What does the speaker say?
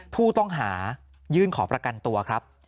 ผู้ต้องหายื่นขอประกันตัวครับ